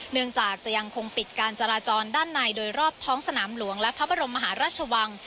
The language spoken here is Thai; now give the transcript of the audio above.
เนื่องจากจะยังคงปิดการจราจรด้านในโดยรอบท้องสนามหลวงและพระบรมมหาราชวัง